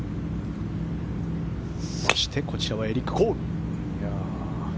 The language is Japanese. そしてこちらはエリック・コール。